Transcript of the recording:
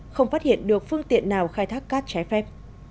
không phát hiện được phương tiện nào khai thác cát trái phép